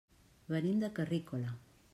Venim de Carrícola.